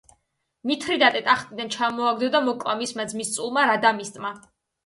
მითრიდატე ტახტიდან ჩამოაგდო და მოკლა მისმა ძმისწულმა რადამისტმა.